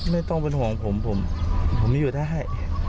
ไม่ต้องเป็นห่วงผมผมอยู่ได้